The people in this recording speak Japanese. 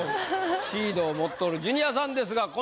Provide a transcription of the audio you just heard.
シードを持っとるジュニアさんですがこのメンツ。